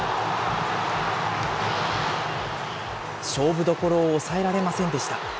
勝負どころを抑えられませんでした。